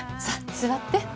さあ座って。